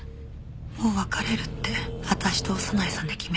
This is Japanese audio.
もう別れるって私と小山内さんで決めたから。